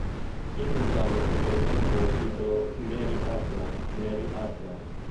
In Italia è stata trasmessa con il titolo "Mary Hartman, Mary Hartman".